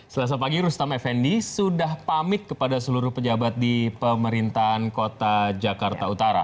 selasa pagi rustam effendi sudah pamit kepada seluruh pejabat di pemerintahan kota jakarta utara